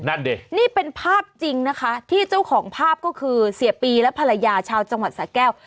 นั่นดินี่เป็นภาพจริงนะคะที่เจ้าของภาพก็คือเสียปีและภรรยาชาวจังหวัดสะแก้ว